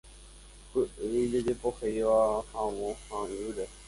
Py'ỹi jajepoheiva'erã havõ ha ýre.